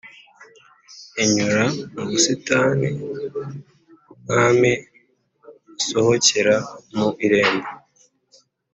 Inyura mu busitani bw’umwami basohokera mu irembo